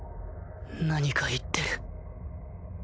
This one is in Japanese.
何か言ってる